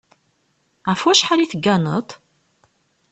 Ɣef wacḥal i tegganeḍ?